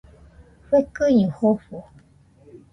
Fekɨño jofo.